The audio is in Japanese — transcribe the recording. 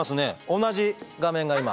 同じ画面が今。